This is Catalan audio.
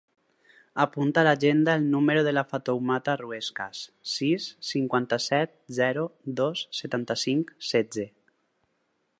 Apunta a l'agenda el número de la Fatoumata Ruescas: sis, cinquanta-set, zero, dos, setanta-cinc, setze.